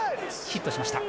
ヒットしました。